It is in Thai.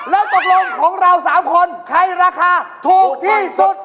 แล้วตกลงของเรา๓คนใครราคาถูกที่สุด